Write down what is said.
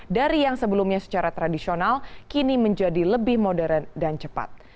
dari yang sebelumnya secara tradisional kini menjadi lebih modern dan cepat